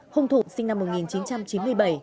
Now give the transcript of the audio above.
hùng thụ sinh năm một nghìn chín trăm chín mươi bảy